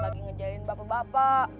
lagi ngejalin bapak bapak